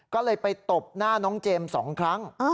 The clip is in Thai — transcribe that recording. ก็เลยไปตบหน้าน้องเจมส์๒ครั้ง